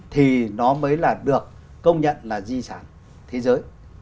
thì nó mới là được công nhận là di sản thế giới